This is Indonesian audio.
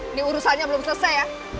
ini urusannya belum selesai ya